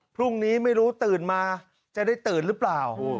พรุ่งนี้ไม่รู้ตื่นมาจะได้ตื่นหรือเปล่า